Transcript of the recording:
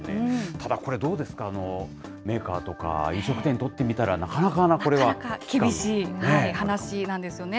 ただこれ、どうですか、メーカーとか飲食店にとってみたら、厳しい話なんですよね。